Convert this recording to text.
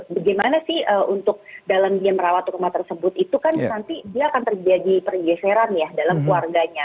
bagaimana sih untuk dalam dia merawat rumah tersebut itu kan nanti dia akan terjadi pergeseran ya dalam keluarganya